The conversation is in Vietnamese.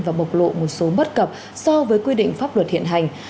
và bộc lộ một số bất cập so với quy định pháp luật hiện hành